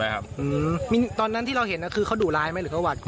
อืมมีตอนนั้นที่เราเห็นคือเขาดูร้ายมั้ยหรือเขาวาดกลัว